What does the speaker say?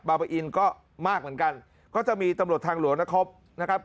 บาปะอินก็มากเหมือนกันก็จะมีตำรวจทางหลวงนะครับ